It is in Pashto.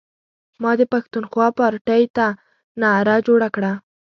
ما د پښتونخوا پارټۍ ته نعره جوړه کړه.